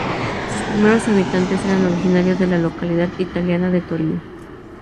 Sus primeros habitantes eran originarios de la localidad italiana de Torino.